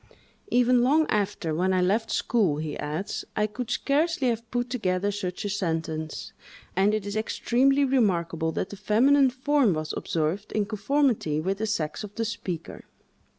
"Even long after, when I left school," he adds, "I could scarcely have put together such a sentence; and it is extremely remarkable that the feminine form was observed in conformity with the sex of the speaker."